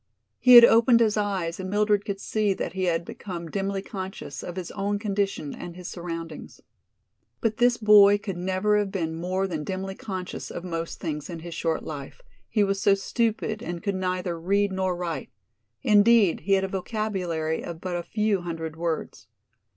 He had opened his eyes and Mildred could see that he had become dimly conscious of his own condition and his surroundings. But this boy could never have been more than dimly conscious of most things in his short life, he was so stupid and could neither read nor write; indeed, he had a vocabulary of but a few hundred words.